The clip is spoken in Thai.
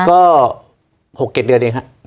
ก็๖๗เดือนเองครับ